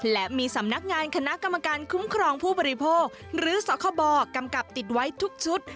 และมีสำนักงานคณะกรรมการคุ้มครองผู้บริโภคหรือสคบกำกับติดไว้ทุกชุด